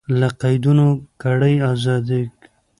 له قیدونو کړئ ازادي